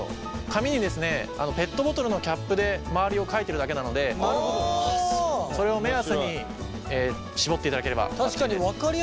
紙にペットボトルのキャップで周りを書いてるだけなのでそれを確かに分かりやすいですね